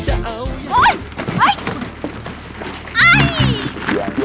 ไม่เป็นไรค่ะ